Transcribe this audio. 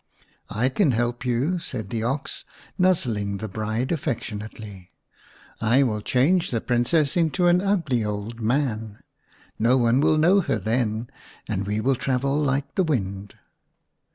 " I can help you," said the ox, nuzzling the bride affectionately. " I will change the Princess into an ugly old man. No one will know her then, and we will travel like the wind."